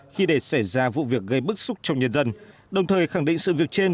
khi để xảy ra vụ việc gây bức xúc trong nhân dân đồng thời khẳng định sự việc trên